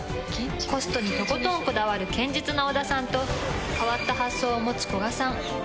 コストにとことんこだわる堅実な小田さんと変わった発想を持つ古賀さん。